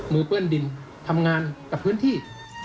เปื้อนดินทำงานกับพื้นที่